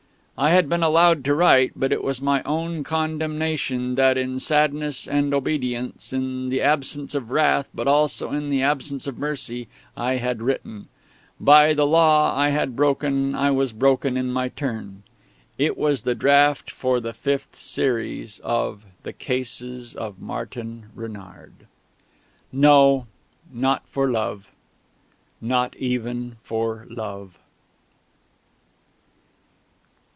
I had been allowed to write, but it was my own condemnation that, in sadness and obedience, in the absence of wrath but also in the absence of mercy, I had written. By the Law I had broken I was broken in my turn. It was the draft for the fifth series of The Cases of Martin Renard. No, not for Love not even for Love....